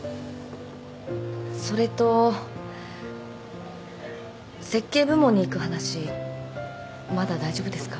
それと設計部門に行く話まだ大丈夫ですか？